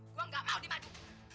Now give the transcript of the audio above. gue nggak mau dimadu